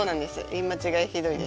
言い間違いひどいです